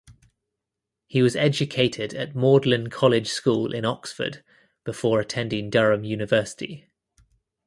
He was educated at Magdalen College School in Oxford before attending Durham University.